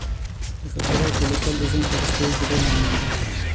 د خاطراتو لیکل د ژوند په وروستیو کې ډېر معمول دي.